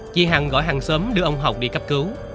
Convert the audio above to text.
chị hàng gọi hàng xóm đưa ông hồng đi cấp cứu